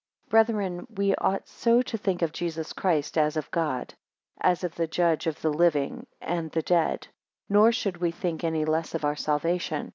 BRETHREN, we ought so to think of Jesus Christ as of God: as of the judge of the living, and the dead; nor should we think any less of our salvation.